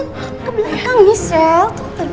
ke belakang nih sel